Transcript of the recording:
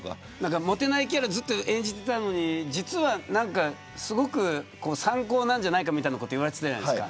もてないキャラをずっと演じていたのに実はすごく３高なんじゃないかといわれていたじゃないですか。